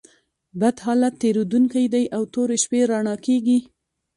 بد حالت تېرېدونکى دئ او توري شپې رؤڼا کېږي.